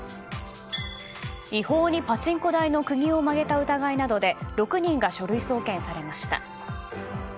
違法にパチンコ台の釘を曲げた疑いなどで６人が書類送検されました。